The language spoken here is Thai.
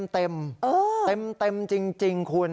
เต็มเต็มจริงคุณ